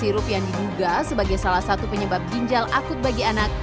sirup yang diduga sebagai salah satu penyebab ginjal akut bagi anak